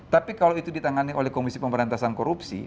tapi kalau itu ditangani oleh komisi pemberantasan korupsi